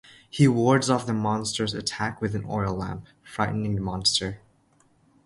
He wards off the monster's attack with an oil lamp, frightening the monster.